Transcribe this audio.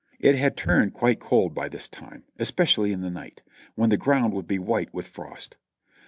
It had turned quite cold by this time, especially in the night, when the ground would be white with frost.